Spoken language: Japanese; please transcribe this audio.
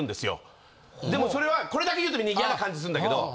でもそれはこれだけ言うとみんな嫌な感じすんだけど。